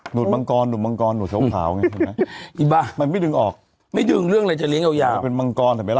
หลวดมังกรหลวดมังกรหลวดชาวขาวไงมันไม่ดึงออกไม่ดึงเรื่องอะไรจะเลี้ยงเอาอย่าง